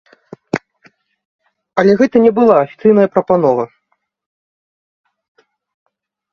Але гэта не была афіцыйная прапанова.